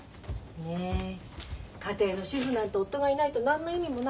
ねえ家庭の主婦なんて夫がいないと何の意味もないのね。